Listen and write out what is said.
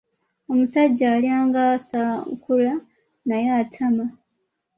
Omusajja alya ng’aswankula naye atama.